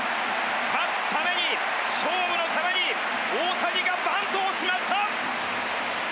勝つために勝負のために大谷がバントをしました！